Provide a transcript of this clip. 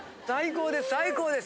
・最高です！